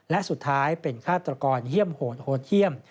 และสุดท้ายเป็นฆาตกรเยี่ยมโหดโหดเยี่ยม